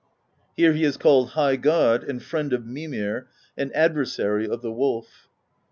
Here he is called High God, and Friend of Mimir, and Adversary of the Wolf.